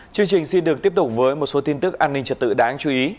chương trình xin được tiếp tục với một số tin tức an ninh trật tự đáng chú ý